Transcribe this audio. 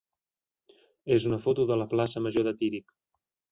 és una foto de la plaça major de Tírig.